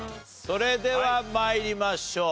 それでは参りましょう。